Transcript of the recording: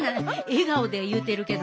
笑顔で言うてるけども。